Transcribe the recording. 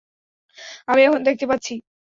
আমি এখন দেখতে পাচ্ছি।